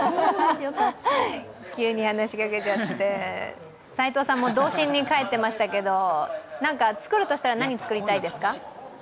急に話しかけちゃって齋藤さんも童心に返っていましたけど作るとしたら何を作りたいですか？